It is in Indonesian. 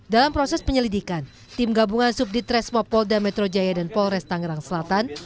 dalam proses penyelidikan tim gabungan subdit resmo polda metro jaya dan polres tangerang selatan